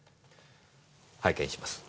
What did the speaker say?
拝見します。